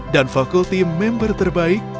dan fakulti member terbaik